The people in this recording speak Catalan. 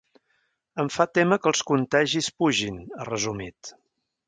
“Em fa témer que els contagis pugin”, ha resumit.